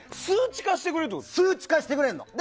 数値化してくれるの。